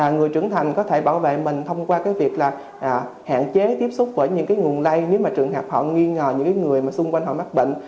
người trưởng thành có thể bảo vệ mình thông qua việc hạn chế tiếp xúc với những nguồn lây nếu trường hợp họ nghi ngờ những người xung quanh họ mắc bệnh